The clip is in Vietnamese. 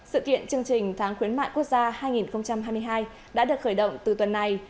sự kiện chương trình tháng khuyến mại quốc gia hai nghìn hai mươi hai đã được khởi động từ tuần này